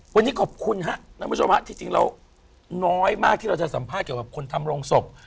วันนี้ขอบคุณฮะท่านผู้ชมฮะที่จริงแล้วน้อยมากที่เราจะสัมภาษณ์เกี่ยวกับคนทำโรงศพ